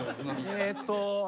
えっと。